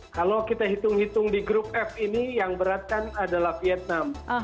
kalau kita hitung hitung di grup f ini yang berat kan adalah vietnam